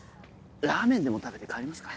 ラーメンでも食べて帰りますか？